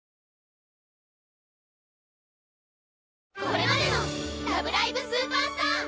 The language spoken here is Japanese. これまでの「ラブライブ！スーパースター！！」